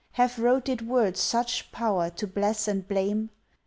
Have roted words such power to bless and blame?